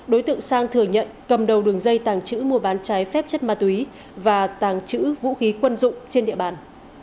đối tượng sang thừa nhận cầm đầu đường dây tàng trữ mua bán trái phép chất ma túy và tàng trữ vũ khí quân dụng trên địa bàn